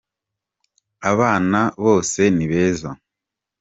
Abana bose ni beza.